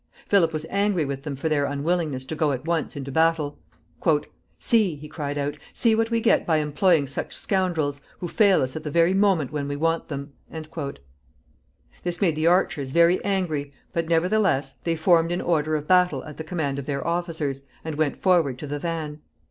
Philip was angry with them for their unwillingness to go at once into battle. "See," he cried out, "see what we get by employing such scoundrels, who fail us at the very moment when we want them." This made the archers very angry, but nevertheless they formed in order of battle at the command of their officers, and went forward to the van.